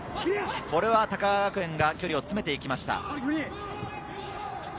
これは高川学園が距離を詰めていきました。